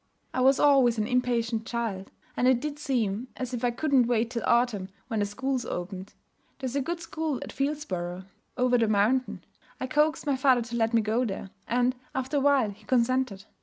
'I was always an impatient child; and it did seem as if I couldn't wait till autumn, when the schools opened. There's a good school at Fieldsborough, over the mountain. I coaxed my father to let me go there; and, after a while, he consented.